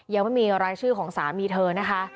ยังไม่มีรายชื่อของสามีเธอนะคะ